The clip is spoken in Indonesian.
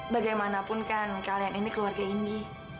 bagaimanapun kan kalian ini keluarga indi